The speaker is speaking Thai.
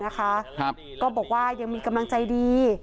ก็บอกว่ายังมีกำลังใจดี